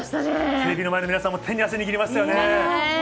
テレビの前の皆さんも手に汗握りましたよね。